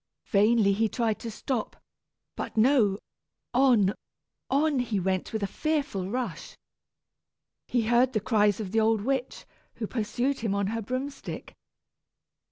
Vainly he tried to stop, but no; on, on he went with a fearful rush. He heard the cries of the old witch, who pursued him on her broom stick.